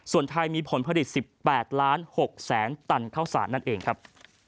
ส่วนไทยมีผลผลิต๑๘ล้าน๖แสนตันเข้าสารนั่นเองครับ